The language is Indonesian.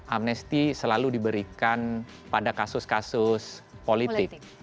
amnesti selalu diberikan pada kasus kasus politik